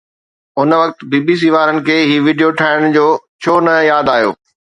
ان وقت B B C وارن کي هي وڊيو ٺاهڻ ڇو نه ياد آيو؟